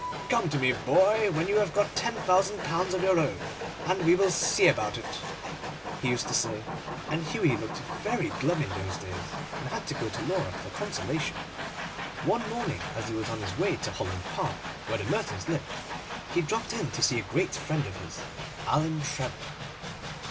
'Come to me, my boy, when you have got ten thousand pounds of your own, and we will see about it,' he used to say; and Hughie looked very glum in those days, and had to go to Laura for consolation. One morning, as he was on his way to Holland Park, where the Mertons lived, he dropped in to see a great friend of his, Alan Trevor.